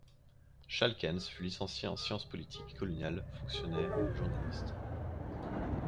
Schalckens fut licencié en sciences politiques et coloniales; fonctionnaire; journaliste.